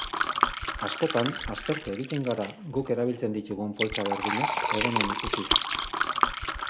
Askotan aspertu egiten gara guk erabiltzen ditugun poltsa berdinak edonon ikusiz.